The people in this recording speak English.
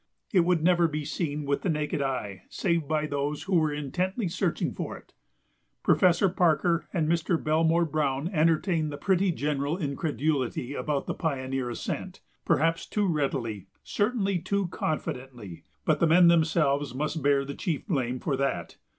It would never be seen with the naked eye save by those who were intently searching for it. Professor Parker and Mr. Belmore Browne entertained the pretty general incredulity about the "Pioneer" ascent, perhaps too readily, certainly too confidently; but the men themselves must bear the chief blame for that.